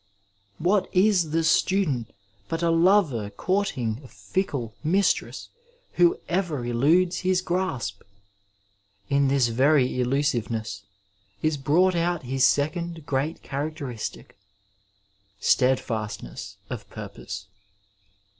What is the student but a lover courting a fickle mistress who ever eludes his grasp ? In this very elusiveness is brought out his second great characteristic — steadfastness of purpose.